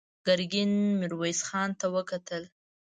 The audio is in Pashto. ګرګين ميرويس خان ته وکتل.